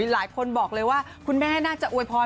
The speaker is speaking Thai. หลายคนบอกเลยว่าคุณแม่น่าจะอวยพร